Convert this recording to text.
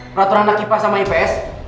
peraturan anak ipa sama ips